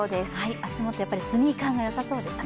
足元、やはりスニーカーがよさそうですね。